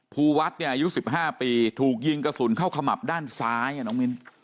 ภูวัฒน์เนี่ยอายุ๑๕ปีถูกยิงกระสุนเข้าขมับด้านซ้ายน้องมิ้น